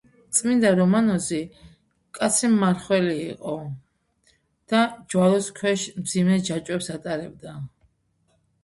წმინდა რომანოზი მკაცრი მმარხველი იყო და ჯვალოს ქვეშ მძიმე ჯაჭვებს ატარებდა.